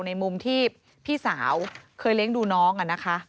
ในมุมที่พี่สาวเคยเลี้ยงดูน้อง